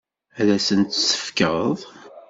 Ad asen-tt-tefkeḍ?